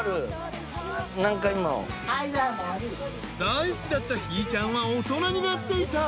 ［大好きだったひいちゃんは大人になっていた］